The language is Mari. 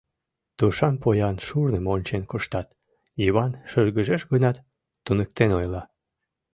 Тушан поян шурным ончен куштат, — Йыван шыргыжеш гынат, туныктен ойла.